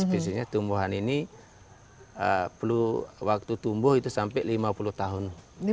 biasanya tumbuhan ini perlu waktu tumbuh itu sampai lima puluh tahun